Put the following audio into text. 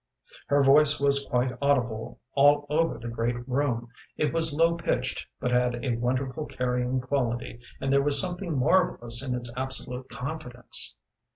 Her voice was quite audible all over the great room. It was low pitched, but had a wonderful carrying quality, and there was something marvellous in its absolute confidence.